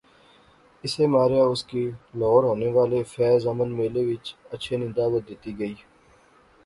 اسے ماریا اس کی لہور ہونے والے فیض امن میلے وچ اچھے نی دعوت دتی گئی